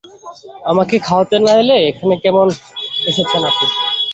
আমাকে খাওয়াতে না এলে, এখানে কেন এসেছেন আপনি?